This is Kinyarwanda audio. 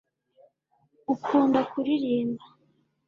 ukunda kuririmba